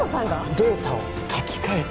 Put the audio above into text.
データを書き換えた？